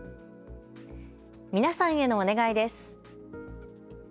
皆さんへのお願いです。